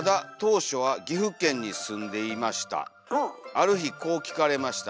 「ある日こう訊かれました。